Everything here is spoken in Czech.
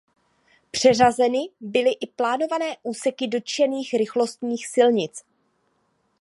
Přeřazeny byly i plánované úseky dotčených rychlostních silnic.